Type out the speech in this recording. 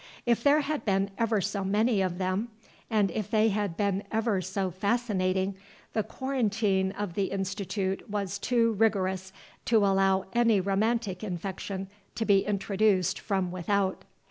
If there had been ever so many of them, and if they had been ever so fascinating, the quarantine of the Institute was too rigorous to allow any romantic infection to be introduced from without.